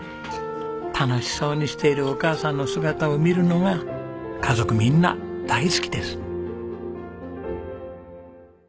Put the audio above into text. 楽しそうにしているお母さんの姿を見るのが家族みんな大好きです。